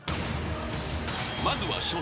［まずは初戦］